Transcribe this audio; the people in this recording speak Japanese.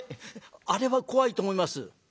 「あれは怖いと思います」。